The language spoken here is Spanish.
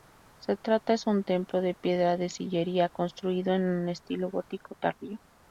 Se trata es un templo de piedra de sillería construido en estilo gótico tardío.